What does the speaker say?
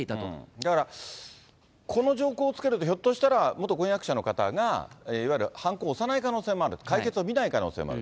だから、この条項をつけると、ひょっとしたら元婚約者の方が、いわゆるはんこを押さない可能性もある、解決を見ない可能性もある。